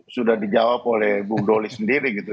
sudah dijawab oleh bung doli sendiri gitu